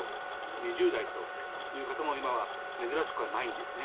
２０代という方も今は珍しくはないんですね。